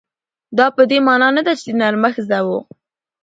دا په دې مانا نه ده چې نرمښت زده و.